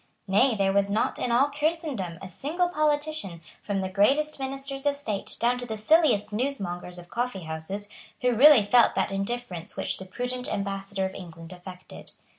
Nay, there was not in all Christendom a single politician, from the greatest ministers of state down to the silliest newsmongers of coffeehouses, who really felt that indifference which the prudent Ambassador of England affected.